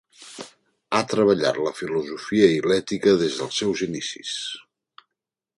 Ha treballat la filosofia i l'ètica des dels seus inicis.